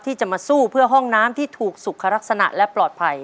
ที่จะมาสู้เพื่อห้องน้ำที่ถูกสุขลักษณะและปลอดภัย